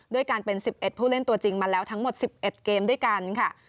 ด้วยการเป็นสิบเอ็ดผู้เล่นตัวจริงมาแล้วทั้งหมดสิบเอ็ดเกมด้วยกันค่ะ